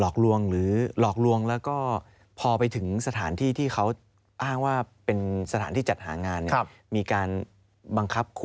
เข้าขายครับ